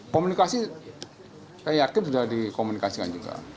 komunikasi saya yakin sudah dikomunikasikan juga